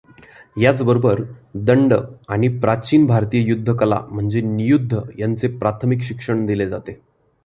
याचबरोबर दंड आणि प्राचीन भारतीय युद्ध कला म्हणजेच नियुद्ध यांचे प्राथमिक शिक्षण दिले जाते.